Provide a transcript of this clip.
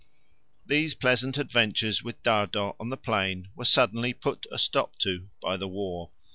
These pleasant adventures with Dardo on the plain were suddenly put a stop to by the war.